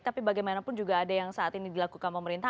tapi bagaimanapun juga ada yang saat ini dilakukan pemerintah